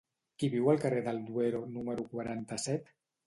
Qui viu al carrer del Duero número quaranta-set?